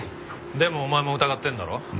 でもお前も疑ってんだろ？